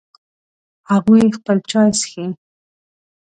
هغوی خپل چای څښي